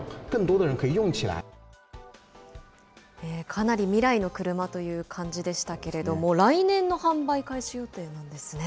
かなり未来の車という感じでしたけれども、来年の販売開始予定なんですね。